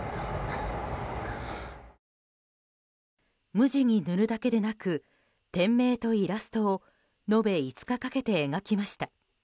無地に塗るだけでなく店名とイラストを延べ５日かけて描きました。